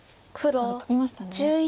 ただトビましたね。